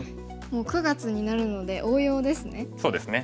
もう９月になるので応用ですね。